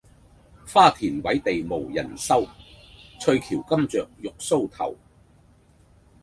花鈿委地無人收，翠翹金雀玉搔頭。